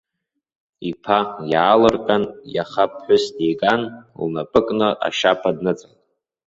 Иԥа иаалырҟьан иаха ԥҳәыс диган, лнапы кны ашьаԥа дныҵалт.